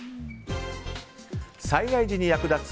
災害時に役立つ